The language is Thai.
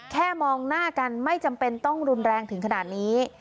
มองหน้ากันไม่จำเป็นต้องรุนแรงถึงขนาดนี้